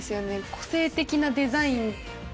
個性的なデザイン。